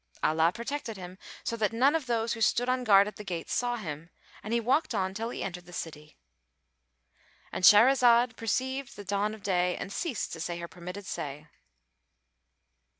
Allah protected him, so that none of those who stood on guard at the gate saw him, and he walked on till he entered the city.—And Shahrazad perceived the dawn of day and ceased to say her permitted say.